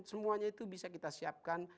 semuanya itu bisa kita siapkan